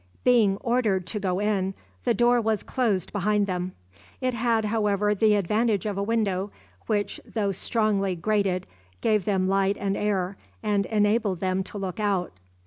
Being ordered to go in, the door was closed behind them. It had, however, the advantage of a window, which, though strongly grated, gave them light and air, and enabled them to look out.